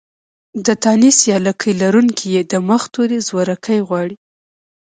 د تانيث يا لکۍ لرونکې ۍ د مخه توری زورکی غواړي.